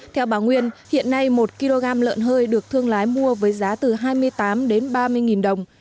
theo bà nguyên hiện nay một kg lợn hơi được thương lái mua với giá từ hai mươi tám đến ba mươi đồng